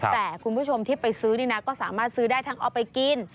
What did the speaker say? แต่คุณผู้ชมที่ไปซื้อนี่นะก็สามารถซื้อได้ทั้งเอาไปกิน